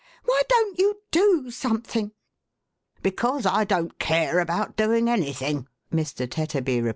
" Why don't you do something ?"" Because I don't care about doing anything," Mr. Tetterby replied.